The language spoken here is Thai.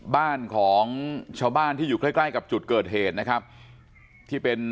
บ้านของชาวบ้านที่อยู่ใกล้ใกล้กับจุดเกิดเหตุนะครับที่เป็น